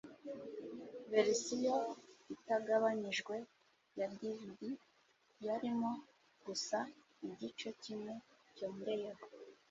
verisiyo itagabanijwe ya dvd yarimo gusa igice kimwe cyongeyeho